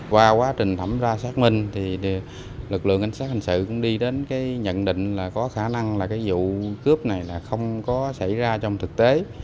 qua quá trình thẩm tra xác minh thì lực lượng cảnh sát hình sự cũng đi đến cái nhận định là có khả năng là cái vụ cướp này là không có xảy ra trong thực tế